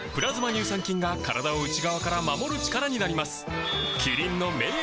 乳酸菌が体を内側から守る力になります